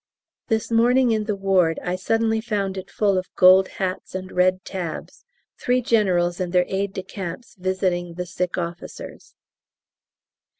This morning in the ward I suddenly found it full of Gold Hats and Red Tabs; three Generals and their A.D.C.'s visiting the sick officers.